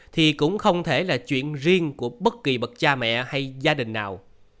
thì cũng không thể là chuyện riêng của bất kỳ bậc cha mẹ hay gia đình nào